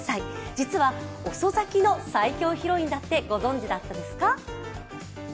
実は遅咲きの最強ヒロインだって、ご存じですか。